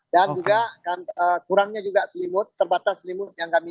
dan juga kurangnya juga selimut terbatas selimut yang kami